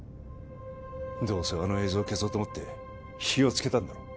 どうせあの映像を消そうと思って火をつけたんだろう